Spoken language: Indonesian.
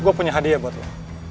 gue punya hadiah buat gue